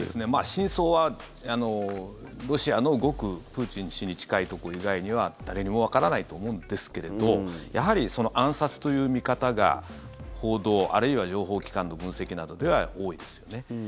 真相はロシアのプーチン氏にごく近いところ以外には誰にもわからないと思うんですけれどやはり暗殺という見方が報道あるいは情報機関の分析などでは多いですよね。